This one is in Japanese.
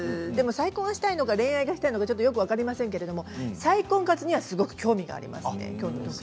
でも再婚がしたいのか恋愛がしたいのかよく分かりませんけれども再婚活はすごく興味がありますね。